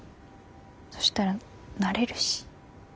そしたら慣れるし。